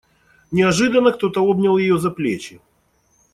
Неожиданно кто-то обнял ее за плечи.